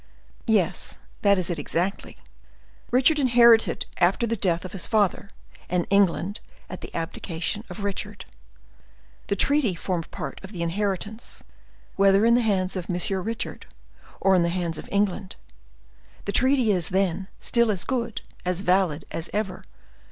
"Yes, that is it exactly. Richard inherited after the death of his father, and England at the abdication of Richard. The treaty formed part of the inheritance, whether in the hands of M. Richard or in the hands of England. The treaty is, then, still as good, as valid as ever.